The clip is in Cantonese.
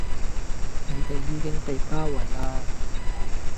你地已經被包圍啦